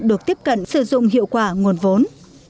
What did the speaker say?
được tiếp cận sử dụng hiệu quả nguồn vốn